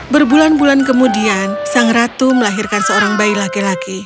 berbulan bulan kemudian sang ratu melahirkan seorang bayi laki laki